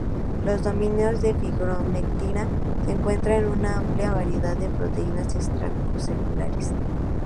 Los dominios de fibronectina se encuentran en una amplia variedad de proteínas extracelulares.